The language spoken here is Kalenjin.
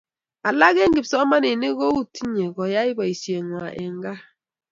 alak eng kipsomanik ko utiye koyai poishengai eng kaa